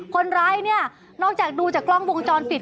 คนร้ายเนี่ยนอกจากดูจากกล้องวงจรปิด